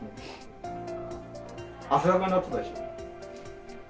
汗だくになってたでしょ。